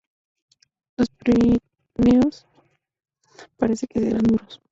Los Pirineos parece que serán duros.